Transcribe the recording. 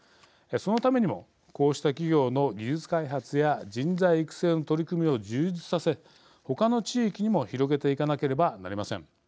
そのためにもこうした企業の技術開発や人材育成の取り組みを充実させ他の地域にも広げていかなければなりません。